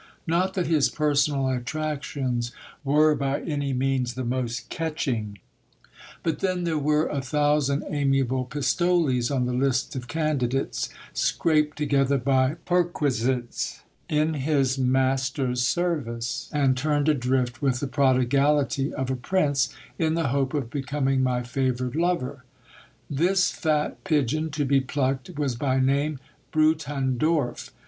Not that his personal attractions were by any means the most catching ; but then there were a thousand amiable pistoles on the list of candi dates, scraped together by perquisites in his master's service, and turned adrift with the prodigality of a prince, in the hope of becoming my favoured lover. This fat pigeon to be plucked was by name Brutandorf.